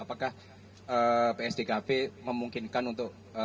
apakah psdkb memungkinkan untuk